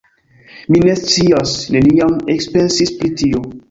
Mi ne scias, neniam ekpensis pri tio.